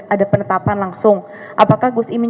ada penetapan langsung apakah gus imin